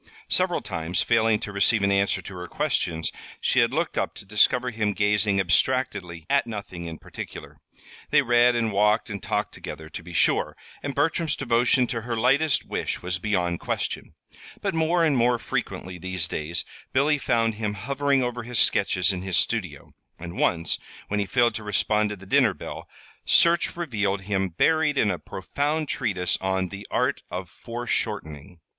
Several times, failing to receive an answer to her questions, she had looked up to discover him gazing abstractedly at nothing in particular. They read and walked and talked together, to be sure, and Bertram's devotion to her lightest wish was beyond question; but more and more frequently these days Billy found him hovering over his sketches in his studio; and once, when he failed to respond to the dinner bell, search revealed him buried in a profound treatise on "The Art of Foreshortening."